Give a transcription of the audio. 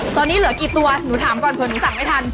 ตอนนี้เหลือกี่ตัวหนูถามก่อนเผื่อหนูสั่งไม่ทัน